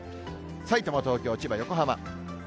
さいたま、東京、千葉、横浜。